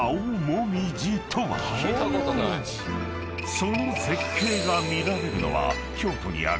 ［その絶景が見られるのは京都にある］